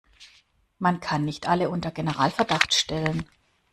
Man kann nicht alle unter Generalverdacht stellen.